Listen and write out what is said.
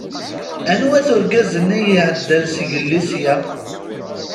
Anwa-t urgaz-nni i iɛeddan zgelli sya?